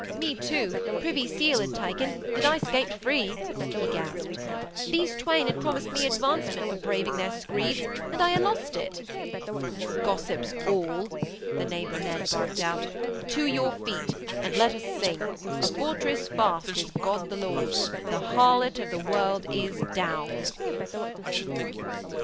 'Me, too, Privy Seal had taken but I 'scaped free,' he gasped. 'These twain had promised me advancement for braving their screeds. And I ha' lost it.' 'Gossips all,' the Neighbour Ned barked out, 'to your feet and let us sing: "A fortress fast is God the Lord." The harlot of the world is down.'